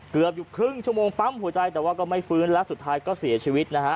เกือบอยู่ครึ่งชั่วโมงปั๊มหัวใจแต่ว่าก็ไม่ฟื้นและสุดท้ายก็เสียชีวิตนะฮะ